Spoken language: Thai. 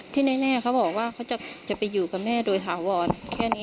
แน่เขาบอกว่าเขาจะไปอยู่กับแม่โดยถาวรแค่นี้